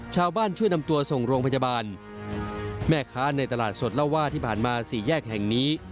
ช่วยนำตัวส่งโรงพยาบาลแม่ค้าในตลาดสดเล่าว่าที่ผ่านมาสี่แยกแห่งนี้